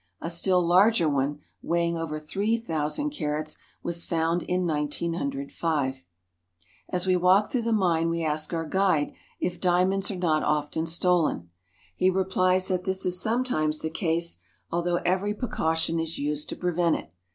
A still larger one, weighing over three thou sand carats, was found in 1905. As we walk through the mine we ask our guide if diamonds are not often stolen. He replies that this is sometimes the case, although every precaution is used to prevent it.